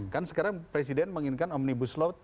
kan sekarang presiden menginginkan omnibus law